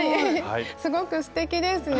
すごくすてきですね。